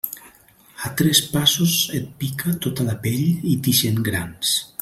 A tres passos et pica tota la pell i t'ixen grans.